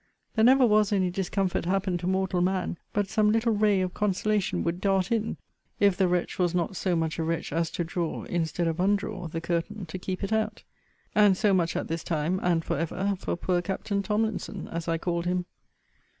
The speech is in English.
There never was any discomfort happened to mortal man, but some little ray of consolation would dart in, if the wretch was not so much a wretch, as to draw, instead of undraw, the curtain, to keep it out. And so much, at this time, and for ever, for poor Capt. Tomlinson, as I called him.